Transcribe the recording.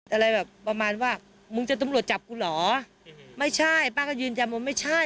อะไรแบบประมาณว่ามึงจะตำรวจจับกูเหรอไม่ใช่ป้าก็ยืนยันว่าไม่ใช่